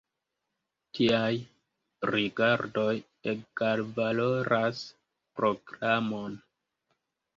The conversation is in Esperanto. Tiaj rigardoj egalvaloras proklamon.